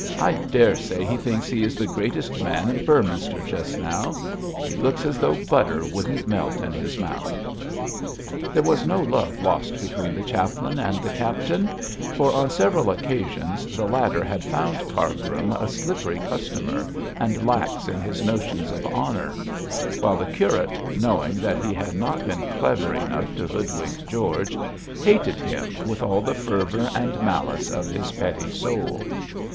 'I dare say he thinks he is the greatest man in Beorminster just now. He looks as though butter wouldn't melt in his mouth.' There was no love lost between the chaplain and the captain, for on several occasions the latter had found Cargrim a slippery customer, and lax in his notions of honour; while the curate, knowing that he had not been clever enough to hoodwink George, hated him with all the fervour and malice of his petty soul.